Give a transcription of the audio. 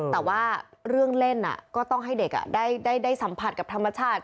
แต่ว่าเรื่องเล่นก็ต้องให้เด็กได้สัมผัสกับธรรมชาติ